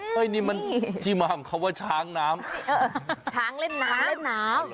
นี่มันที่มาของเขาว่าช้างน้ำช้างเล่นน้ำเล่นน้ำ